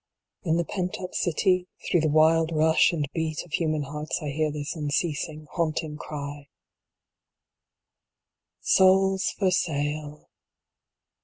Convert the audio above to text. In the pent up city, through the wild rush and beat of human hearts, I hear this unceasing, haunting cry : Souls for sale